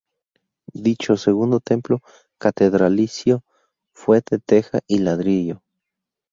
Dicho segundo templo catedralicio fue de teja y ladrillo.